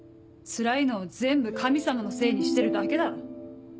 つらいのを全部神様のせいにしてるだけだろ？